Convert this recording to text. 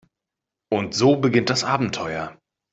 Und so beginnt das Abenteuer.